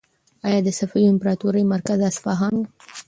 ایا د صفوي امپراطورۍ مرکز اصفهان و؟